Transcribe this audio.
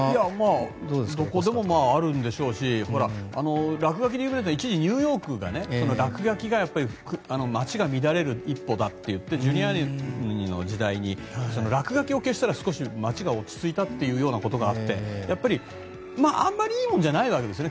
どこでもあるんでしょうし落書きで有名だった一時、ニューヨークが落書きが街が乱れる一歩だといってジュリアーニの時代に落書きを消したら少し街が落ち着いたということがあってあまりいいものじゃないわけですね。